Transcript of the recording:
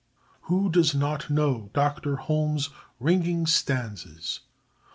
Who does not know Dr. Holmes's ringing stanzas?